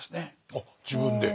あっ自分で？